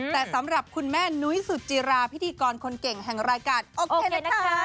แต่สำหรับคุณแม่นุ้ยสุจิราพิธีกรคนเก่งแห่งรายการโอเคนะคะ